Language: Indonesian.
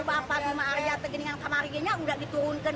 bapak rumah area tegini yang tamarinya udah diturunkan